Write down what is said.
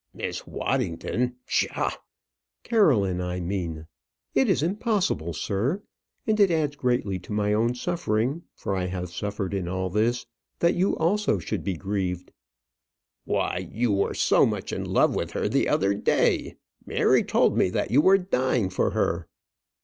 "Miss Waddington! Pshaw!" "Caroline, I mean. It is impossible, sir. And it adds greatly to my own suffering for I have suffered in all this that you also should be grieved." "Why, you were so much in love with her the other day! Mary told me that you were dying for her."